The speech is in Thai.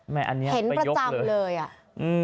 เห็นประจำเลยอะ